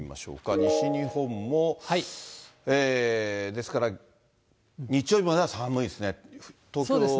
西日本も、ですから、日曜日までは寒いですね。